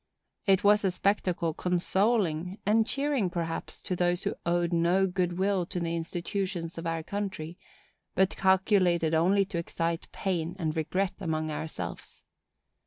It was a spectacle consoling, and cheering, perhaps, to those who owed no good will to the institutions of our country; but calculated only to excite pain and regret among ourselves.